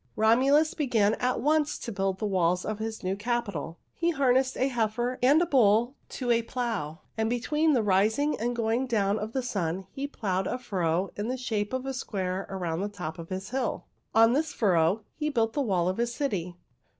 "Romulus began at once to build the walls of his new capital. He harnessed a heifer and a bull to a plow, and between the rising and going down of the sun he plowed a furrow in the shape of a square around the top of his hill. On this furrow he built the wall of his city.